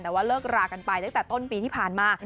แต่ว่าเลิกรากันไปตั้งแต่ต้นปีที่ผ่านมา